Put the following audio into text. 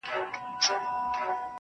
ه بيا به دې څيښلي وي مالگينې اوبه,